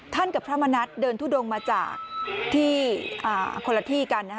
ท่านกับพระมณัชเดินทุ้ดงมาจากที่คนละทีกันนะฮะ